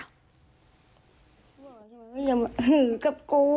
ถือกับกู้